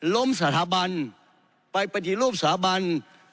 สถาบันไปปฏิรูปสถาบัน